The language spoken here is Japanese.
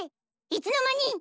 ⁉いつの間に⁉